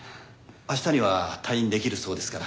明日には退院できるそうですから。